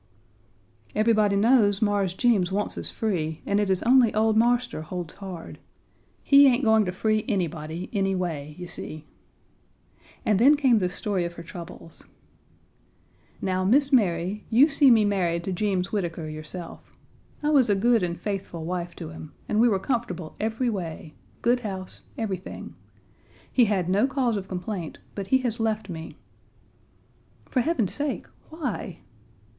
"Everybody knows Mars Jeems wants us free, and it is only old Marster holds hard. He ain't going to free anybody any way, you see." And then came the story of her troubles. "Now, Miss Mary, you see me married to Jeems Whitaker yourself. I was a good and faithful wife to him, and we were comfortable every way good house, everything. He had no cause of complaint, but he has left me." "For heaven's sake! Why?"